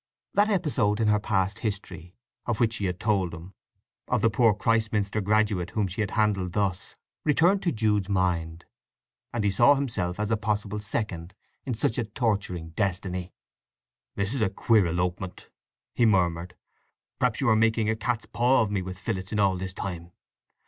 That episode in her past history of which she had told him—of the poor Christminster graduate whom she had handled thus, returned to Jude's mind; and he saw himself as a possible second in such a torturing destiny. "This is a queer elopement!" he murmured. "Perhaps you are making a cat's paw of me with Phillotson all this time.